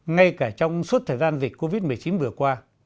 ngay cả trong suốt thời gian dịch covid một mươi chín vừa qua